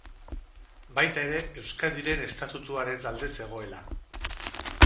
Baita ere Euskadiren Estatutuaren alde zegoela.